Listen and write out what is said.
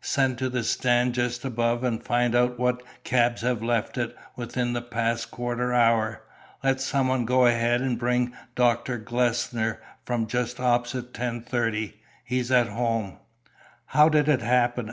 Send to the stand just above and find out what cabs have left it within the past quarter hour. Let some one go ahead and bring Doctor Glessner from just opposite 1030. He's at home." "How did it happen?"